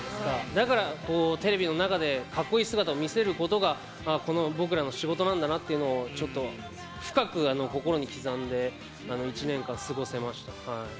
だからテレビの中でかっこいい姿を見せることがこの僕らの仕事なんだなっていうのをちょっと深く心に刻んで１年間過ごせましたはい。